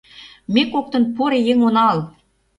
Ме коктын поро еҥ онал...